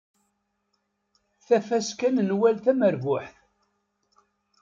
Tafaska n Nwal tamerbuḥt.